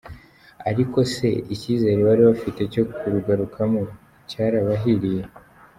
Ariko se, ikizere bari bafite cyo kurugarukamo, cyarabahiriye ?